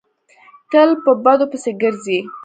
تل په بدو پسې ګرځي.